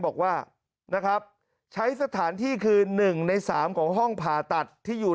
บอกว่านะครับใช้สถานที่คือ๑ใน๓ของห้องผ่าตัดที่อยู่